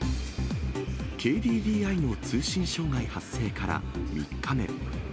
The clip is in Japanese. ＫＤＤＩの通信障害発生から３日目。